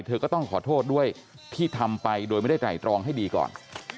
เธอก็ต้องขอโทษด้วยที่ทำไปโดยไม่ได้ไตรตรองให้ดีก่อน